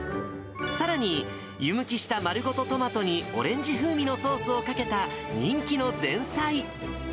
さらに、湯むきした丸ごとトマトにオレンジ風味のソースをかけた、人気の前菜。